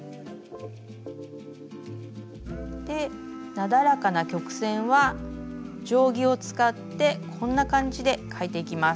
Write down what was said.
なだらかな曲線は定規を使ってこんな感じで描いていきます。